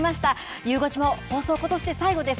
ゆう５時も放送、ことし最後です。